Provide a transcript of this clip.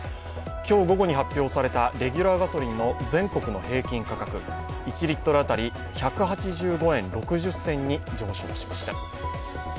今日午後に発表されたレギュラーガソリンの全国の平均価格１リットル当たり１８５円６０銭に上昇しました。